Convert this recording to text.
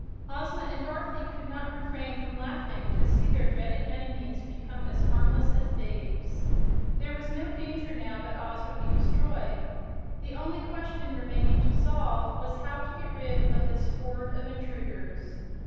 Ozma and Dorothy could not refrain from laughing to see their dreaded enemies become as harmless as babies. There was no danger now that Oz would be destroyed. The only question remaining to solve was how to get rid of this horde of intruders.